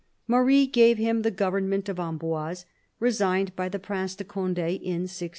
Marie gave him the government of Amboise, resigned by the Prince de Cond6 in 1615.